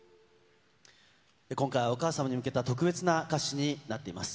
今回はお母様に向けた特別な歌詞になっています。